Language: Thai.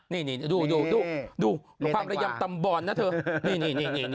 นี่ดูดูความใว้กระยั้งตำบวยนะเถอะ